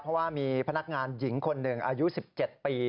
เพราะว่ามีพนักงานหญิงคนหนึ่งอายุ๑๗ปี